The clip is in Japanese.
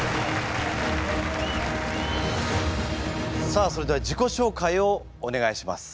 さあそれでは自己紹介をお願いします。